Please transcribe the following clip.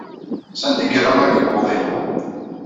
Sanda ay yerra akebbuḍ-inu?